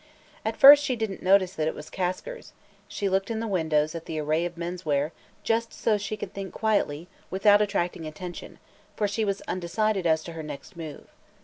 At first she didn't notice that it was Kasker's; she looked in the windows at the array of men's wear just so she could think quietly, without attracting attention, for she was undecided as to her next move.